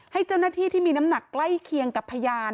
ให้เจ้าหน้าที่ที่มีน้ำหนักใกล้เคียงกับพยาน